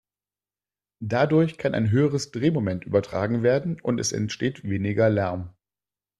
Dadurch kann ein höheres Drehmoment übertragen werden und es entsteht weniger Lärm.